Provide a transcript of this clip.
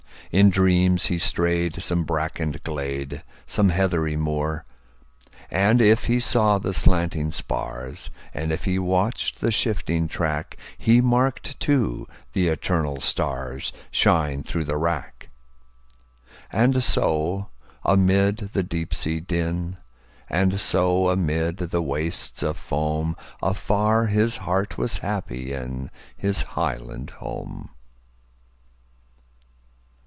In dreams he strayed some brackened glade, Some heathery moor. And if he saw the slanting spars, And if he watched the shifting track, He marked, too, the eternal starsShine through the wrack. And so amid the deep sea din, And so amid the wastes of foam, Afar his heart was happy inHis highland home!